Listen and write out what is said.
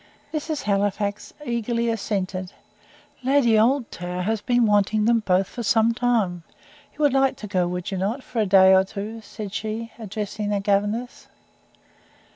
Mrs. Halifax eagerly assented. "Lady Oldtower has been wanting them both for some time. You would like to go, would you not, for a day or two?" said she, addressing the governess.